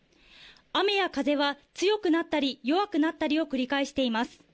雨や風は強くなったり弱くなったりを繰り返しています。